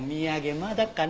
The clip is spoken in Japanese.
まだかな？